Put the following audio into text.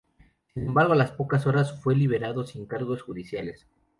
Sin embargo a las pocas horas fue liberado sin cargos judiciales.